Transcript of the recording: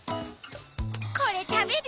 これたべる？